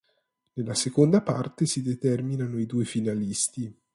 Nella seconda parte si determinano i due finalisti.